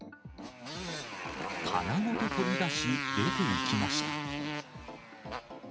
棚ごと取り出し出ていきました。